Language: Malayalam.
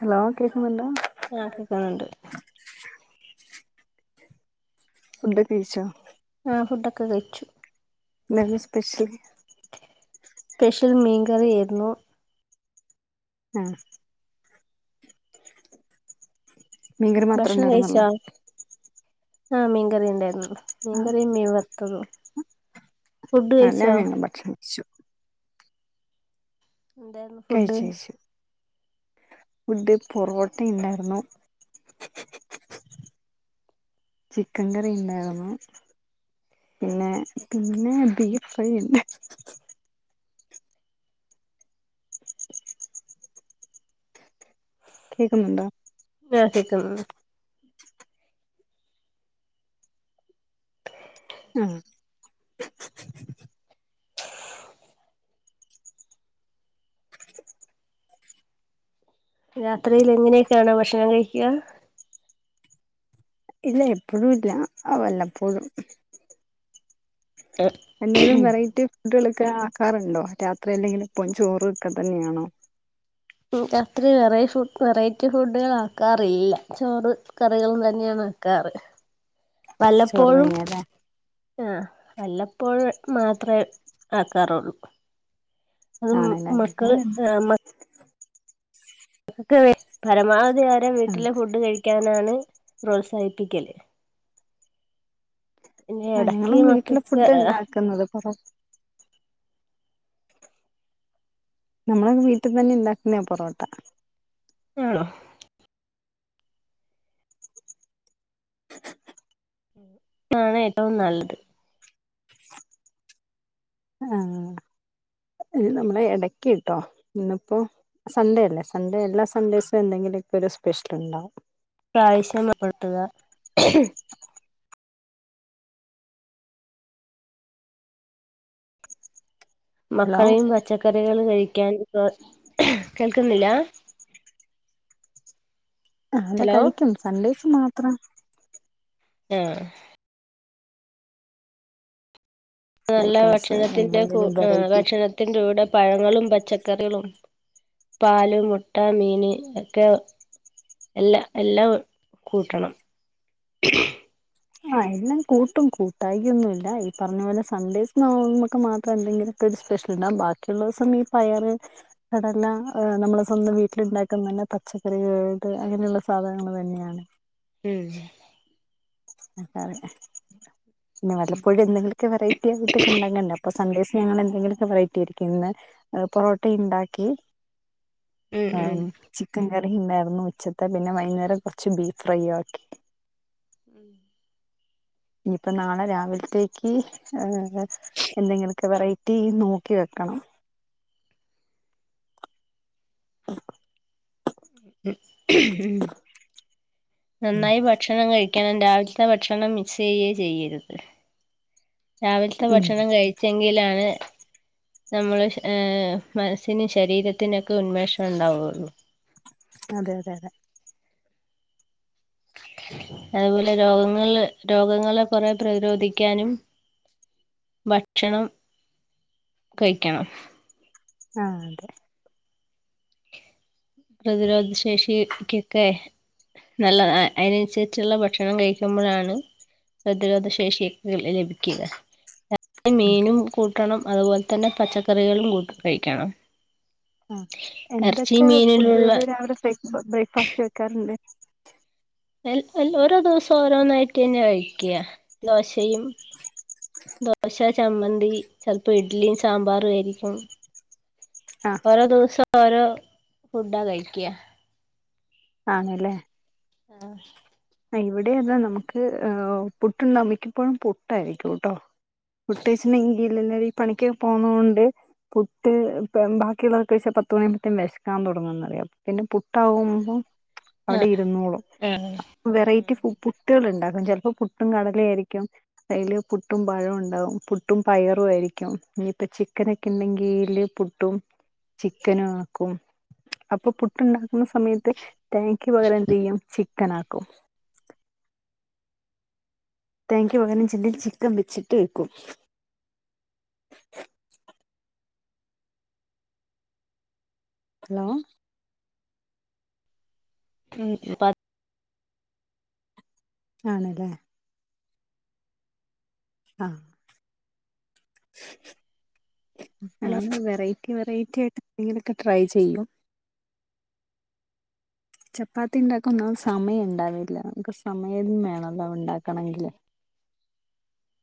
ഹലോ കേക്കുന്നുണ്ടോ? ആഹ് കേക്ക്ണ് ണ്ട്. ഫുഡൊക്കെ കഴിച്ചോ? ആഹ് ഫുഡൊക്കെ കഴിച്ചു. എന്തായിരുന്നു സ്പെഷ്യല്? സ്പെഷ്യൽ മീൻ കറിയേര്ന്നു. ആഹ്. മീൻകറി മാത്രം ഭക്ഷണം കഴിച്ചോ ഉണ്ടായിരുന്നല്ലോ ആഹ് മീൻകറിണ്ടായിരുന്നു മീൻകറിയും മീൻ വർ ത്തതും. അല്ല ഞങ്ങളും ഭക്ഷണം കഴിച്ചു. എന്തായിര്ന്നു. കഴിച്ചേച്ച്. ഫുഡ് പൊറോട്ട ഇണ്ടായിര്ന്നു. ചിക്കൻ കറി ഇണ്ടായിര്ന്നു. പിന്നെ പിന്നെ ബീഫ് ഫ്രൈ ഇണ്ടായി കേക്കുന്നുണ്ടോ? ആഹ് കേക്ക ഉം. രാത്രിൽ ഇങ്ങനെയൊക്കെയാണോ ഭക്ഷണം കഴിക്കുക? ഇല്ല എപ്പഴും ഇല്ല അഹ് വല്ലപ്പോഴും. എന്തെങ്കിലും വെറൈറ്റി ഫുഡുകൾക്കെ ആക്കാറുണ്ടോ രാത്രി അല്ലെങ്കില് ഇപ്പം ചോറ് ഒക്കെ തന്നെയാണോ? ഉം രാത്രി വെറൈ ഫു വെറൈറ്റി ഫുഡുകൾ ആക്കാറില്ല ചോറ് കറികളും തന്നെയാണ്.. ക്കാറ് ചോറ് വല്ലപ്പോഴും. തന്നെയല്ലേ ആഹ് വല്ലപ്പോഴ് മാത്രേ ആക്കാറുള്ളൂ. അത് ആണല്ലേ മക്കൾ ഞങ്ങൾ ഹെ മക്ക ക്ക് വേ പരമാവധി ആരം ആ വീട്ടിലെ ഫുഡ് കഴിക്കാനാണ് പ്രോത്സാഹിപ്പിക്കല്. പിന്നെ ആഹ് ഇടക്ക് ഞങ്ങളും വീട്ടില് മക്കൾക്ക് ഫുഡ്ണ്ടാക്കുന്നത് പ്പ നമ്മള വീട്ടിൽ തന്നെ ഇണ്ടാക്ക്ന്ന പൊറോട്ട. ആണോ. താണ് ഏറ്റവും നല്ലത്. ആഹ് ഇ നമ്മളെ എടക്കൃട്ടോ ഇന്നിപ്പോ. സൺഡേ അല്ലേ സൺഡേ എല്ലാ സൺഡേയ്സും എന്തെങ്കിലുക്കെ ഒരു സ്പെഷ്യൽ ഇണ്ടാവും. പ്രാവശ്യമപ്പെട്ത്തുക. [inaudible] ഹലോ മക്കളെയും പച്ചക്കറികൾ കഴിക്കാൻ കേൾക്കുന്നില്ല? ആഹ് ട ഹലോ കഴിക്കും സൺഡേസ് മാത്രം. ആഹ്. നല്ല ഐറ്റംസ് ഭക്ഷണത്തിന്റെ കു എന്തെങ്കിലും ആഹ് വെറൈറ്റി ഭക്ഷണത്തിന്റെ കൂടെ പഴങ്ങളും പച്ചക്കറികളും. പാല് മുട്ട മീന് ഒക്കെ. എല്ലാ എല്ലാം കൂട്ടണം. ആഹ് എല്ലാം കൂട്ടും കൂട്ടായി ഒന്നുല്ല ഈ പറ്ഞ്ഞ പോലെ സണ്‍ഡേസ് നോമ്പൊക്കെ മാത്രം എന്തെങ്കിലും. ഒരു സ്പെഷ്യൽണ്ടാവും ബാക്കിയുള്ളസം ഈ പ്പയാറ്. അടെല്ലാം നമ്മള് സ്വന്തം വീട്ടിലുണ്ടാക്കുന്ന തന്നെ പച്ചക്കറികൾട്ട് അങ്ങനെയുള്ള സാധനങ്ങൾ തന്നെയാണ്. മ്. അങ്ങനെ പിന്നെ വല്ലപ്പോഴും എന്തെങ്കിലൊക്കെ വെറൈറ്റി ആയിട്ടൊക്കെ ഉണ്ടാകണ്ടേ. അപ്പൊ സന്ദേസ് ഞങ്ങൾ എന്തെങ്കിലുമൊക്കെ വെറൈറ്റി ആയിരിക്കും ഇന്ന് പൊറോട്ട ഉണ്ടാക്കി.. ഉം ആഹ ഉം ച്ചി ചിക്കൻ കറി ഉണ്ടായിരുന്നു ഉച്ചത്തെ പിന്നെ വൈകുന്നേരം കുറച്ച് ബീഫ് ഫ്രൈ ആക്കി. ഉം ഇയിപ്പ നാളെ രാവിലത്തേക്ക് ഏഹ.. എന്തെങ്കിലൊക്കെ വെറൈറ്റി നോക്കി വെക്കണം. [inaudible] മ് നന്നായി ഭക്ഷണം കഴിക്ക രാവിലത്തെ ഭക്ഷണം മിക്സ് ചെയ്യെ ചെയ്യരുത് രാവിലത്തെ ഉം ഭക്ഷണം കഴി ചെങ്കിയിലാണ്.. നമ്മള് ഹെ മനസ്സിനും ശരീരത്തിനൊക്കെ ഉന്മേഷം ഉണ്ടാവയുള്ളൂ. അതെ അതെ അതെ അതുപോലെ രോഗങ്ങള് രോഗങ്ങളെ കുറെ പ്രതിരോധിക്കാനും.. ഭക്ഷണം കഴിക്കണം. ആഹ് അതെ പ്രതിരോധ ശേഷിക്കൊക്കെ നല്ലതാ അതിനനുസരിച്ചുള്ള ഭക്ഷണം കഴിക്കുമ്പോഴാണ്.. പ്രതിരോധ ശേഷിക് ലഭിക്കുകായില മീനും കൂട്ടണം അതുപോലെതന്നെ പച്ചക്കറികളും കു കഴിക്കണം. ആ ഇറച്ചി എന്തൊക്കെ മീനിലുള്ള ഫുഡുകള് രാവിലെ ബ്രേക്ക്ഫാസ്റ്റ് വെക്കാറുണ്ട്? ഓരോ ദിവസം ഓരോ നായിട്ട ന്നെ കഴികാ ദോശയും ദോശ ചമ്മന്തി ചെലപ്പോ ഇഡ്ലിയും സാമ്പാറും ആയിരിക്കും ആഹ് ഓരോ ദിവസം ഓരോ ഫുഡാ കഴിക്കാ ആണല്ലേ ആഹ് ആ ഇവിടെ അതാ നമുക്ക് അഹ് പുട്ട് നമിക്കിപ്പോഴും പുട്ടാ യിരിക്കും ട്ടോ കുട്ടേഛനെങ്ക [unintelligible] എല്ലാ എല്ലരും ഈ പണിക്ക് പോന്നോണ്ട് പുട്ട് ബാക്കിയുള്ളതോക്കെെച്ച പത്ത് മണിയുമ്പത്തേും വിശക്കാൻ തുടങ്ങന്നറിയാം പിന്നെ പുട്ടാവുമ്പോം [inaudible] ആഹ് ആഹ് വെറൈറ്റി ഫു പുട്ടുകൾ ഉണ്ടാക്കും ചിലപ്പോ പുട്ടും കടലായായിരിക്കും അയില് പുട്ടും പഴം ഉണ്ടാവും പുട്ടും പയറുമായിരിക്കും ഇനിപ്പം ചിക്കനൊക്കെ ഇണ്ടെങ്കില് പു പുട്ടും ചിക്കനും ആക്കും അപ്പൊ പു പുട്ട് ഇണ്ടാക്കുന്ന സമയത്ത് തേങ ക്ക് പകരം എന്തയും ചിക്കൻ ആക്കും തേങ്ങയ്ക്ക് പകരം ചെന്ത ചിക്കൻ വെച്ചിട്ട് വെക്കും ഹലോ ഉം പ ആണ് ലെ ആഹ് ഉം ഞൻ വെറൈറ്റി വെറൈറ്റി ആയിട്ട് എന്തെങ്കിലൊക്കെ ട്രൈ ചെയ്യും ചപ്പാത്തി ഇണ്ടാക്ക ഒന്നാമത് സമയം ഇണ്ടാവില്ല നമുക്ക് സമയം വേണല്ലോ ഇണ്ടാക്കണെങ്കില്